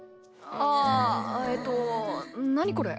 あえっと何これ？